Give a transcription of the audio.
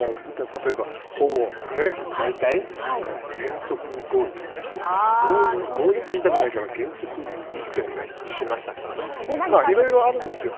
例えば「ほぼ」「大体」とか「原則」とか合意って言いたくないから原則、意見が一致しましたとかいろいろあるんですよ。